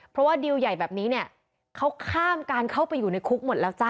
เพราะว่าดิวใหญ่แบบนี้เนี่ยเขาข้ามการเข้าไปอยู่ในคุกหมดแล้วจ้ะ